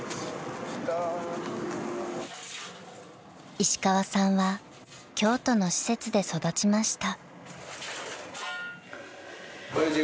［石川さんは京都の施設で育ちました］